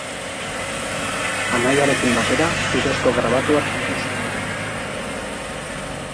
Anaiarekin batera zurezko grabatuak egiten zituen.